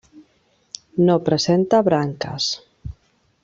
No presenta branques.